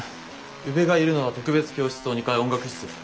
宇部がいるのは特別教室棟２階音楽室。